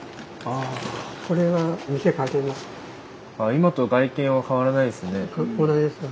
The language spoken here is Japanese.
今と外見は変わらないですね。